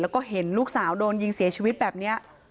แล้วก็เห็นลูกสาวโดนยิงเสียชีวิตแบบนี้